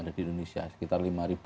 ada di indonesia sekitar lima lima ratus